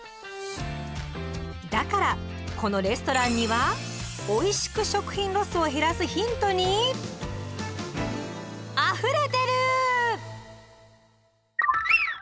だからこのレストランにはおいしく食品ロスを減らすヒントにあふれてる！